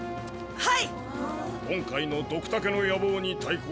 はい！